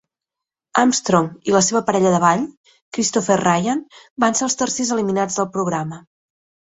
Armstrong i la seva parella de ball, Christopher Ryan, van ser els tercers eliminats del programa.